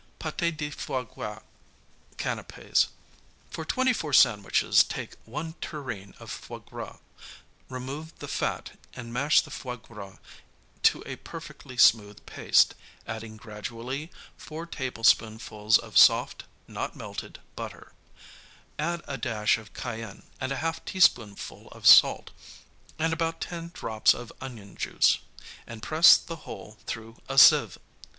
PŌtķ de Foie Gras Canapķs For twenty four sandwiches take one tureen of foie gras. Remove the fat, and mash the foie gras to a perfectly smooth paste, adding gradually four tablespoonfuls of soft, not melted, butter; add a dash of cayenne and a half teaspoonful of salt and about ten drops of onion juice, and press the whole through a sieve.